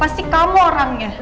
pasti kamu orangnya